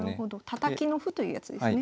たたきの歩というやつですね。